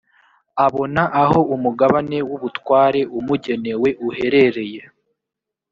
abona aho umugabane w’ubutware umugenewe uherereye.